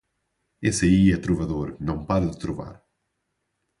Esse aí é trovador, não para de trovar